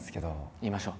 言いましょう！